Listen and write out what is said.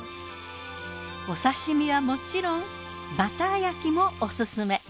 お刺身はもちろんバター焼きもオススメ。